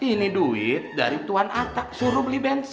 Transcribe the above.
ini duit dari tuan atta suruh beli bensin